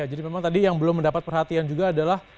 jadi memang tadi yang belum mendapat perhatian juga adalah